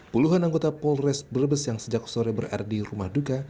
puluhan anggota polres brebes yang sejak sore berada di rumah duka